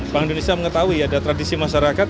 bank indonesia mengetahui ada tradisi masyarakat